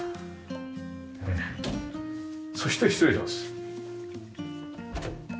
そして失礼します。